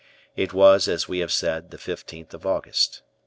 It was, as we have said, the 15th of August.